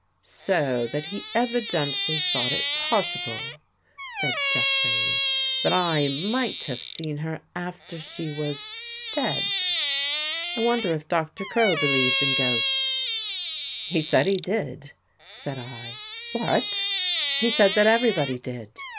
" So that he evidently thought it possible," said (Jeffrey, " that I might have seen her after she was — dead. I wonder if Doctor Crow believes in ghosts." " He said he did," said I. " What?" 6 73 THE GHOST GIRL " He said that everybody did.